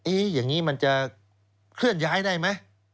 อย่างนี้มันจะเคลื่อนย้ายได้ไหม